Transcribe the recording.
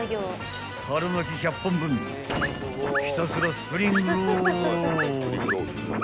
［春巻き１００本分ひたすらスプリングロール］